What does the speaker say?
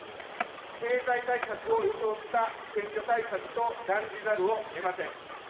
経済対策を装った選挙対策と断じざるをえません。